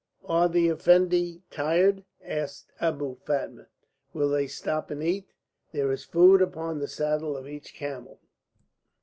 "Are the Effendi tired?" asked Abou Fatma. "Will they stop and eat? There is food upon the saddle of each camel."